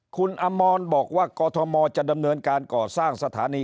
คุณอมรบอกว่ากอทมจะดำเนินการก่อสร้างสถานี